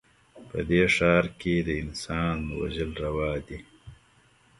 په دې ښـار کښې د انسان وژل روا دي